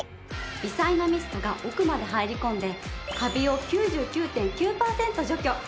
微細なミストが奥まで入り込んでカビを９９．９パーセント除去。